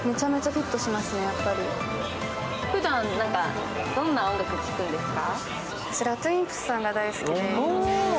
ふだん、どんな音楽聴くんですか？